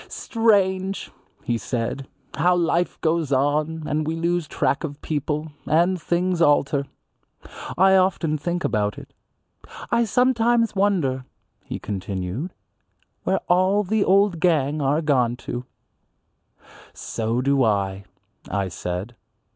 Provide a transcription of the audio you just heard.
"Strange," he said, "how life goes on and we lose track of people, and things alter. I often think about it. I sometimes wonder," he continued, "where all the old gang are gone to." "So do I," I said.